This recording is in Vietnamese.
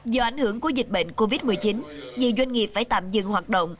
do ảnh hưởng của dịch bệnh covid một mươi chín nhiều doanh nghiệp phải tạm dừng hoạt động